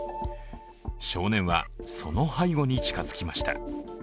少年は、その背後に近づきました。